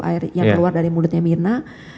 air yang keluar dari mulutnya mirna